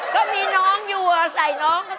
ก็มีน้องอยู่อะใส่น้อง